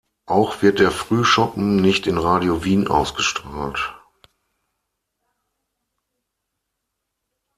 Auch wird der Frühschoppen nicht in Radio Wien ausgestrahlt.